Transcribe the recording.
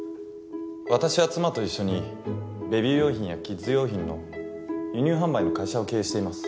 私は妻と一緒にベビー用品やキッズ用品の輸入販売の会社を経営しています。